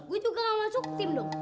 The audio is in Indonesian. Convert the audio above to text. gue juga gak masuk tim dong